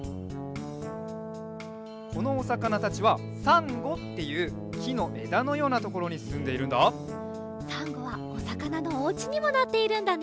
このおさかなたちはサンゴっていうきのえだのようなところにすんでいるんだサンゴはおさかなのおうちにもなっているんだね